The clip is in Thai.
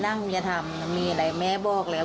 นั่งอย่าทำมีอะไรแม่บอกแล้ว